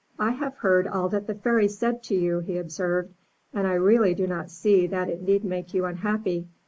"I have heard all that the Fairy said to you," he observed, "and I really do not see that it need make you unhappy.